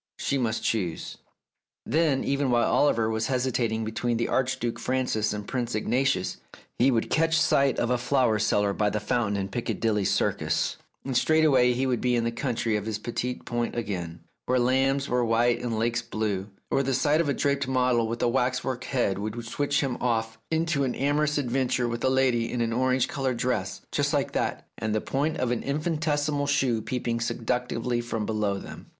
She must choose ... Then, even while Oliver was hesitating between the Archduke Francis and Prince Ignatius, he would catch sight of a flower seller by the fountain in Picca dilly Circus, and straightway he would be in the country of his petit point again, where lambs were white and lakes blue ; or the sight of a draped model with a waxwork head would switch him off into a new amorous adventure with a lady in an orange coloured dress, just like that, and the point of an infinitesimal shoe peeping seductively from below its hem.